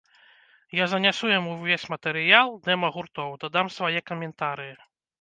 Я занясу яму ўвесь матэрыял, дэма гуртоў, дадам свае каментарыі.